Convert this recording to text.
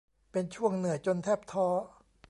เป็นช่วงเหนื่อยจนแทบท้อ